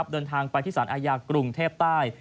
เดินทางไปที่สารอาญากรุงเทพใต้